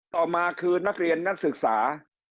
ต่อมาคือนักเรียนนักศึกษา